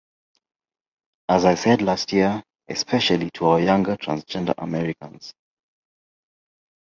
As I said last year, especially to our younger transgender Americans